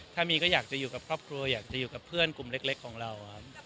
ถ้ามีก็อยากจะอยู่กับครอบครัวอยากจะอยู่กับเพื่อนกลุ่มเล็กของเราครับ